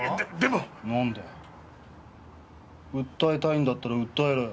訴えたいんだったら訴えろよ。